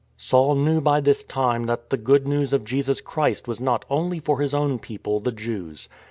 Saul knew by this time that the Good News of Jesus Christ was not only for his own people, the Jews.